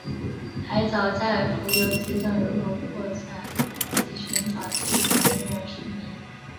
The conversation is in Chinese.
海虱在浮游阶段如何扩散及寻找寄主仍然是迷。